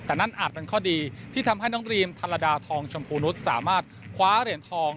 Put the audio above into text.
แต่นั่นอาจเป็นข้อดีที่ทำให้น้องรีมธารดาทองชมพูนุษย์สามารถคว้าเหรียญทอง